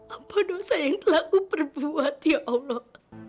apa dosa yang telah aku perbuat ya allah